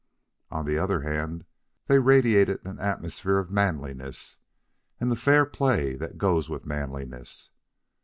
On the other hand, they radiated an atmosphere of manliness and the fair play that goes with manliness.